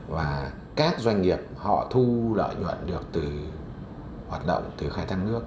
và các doanh nghiệp họ thu lợi nhuận được từ hoạt động từ khai thác nước